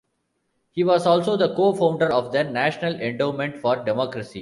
He was also the co-founder of the National Endowment for Democracy.